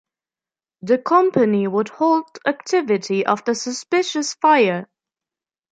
The company would halt activity after a suspicious fire.